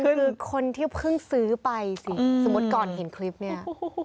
คือคนที่เพิ่งซื้อไปสิสมมุติก่อนเห็นคลิปเนี่ย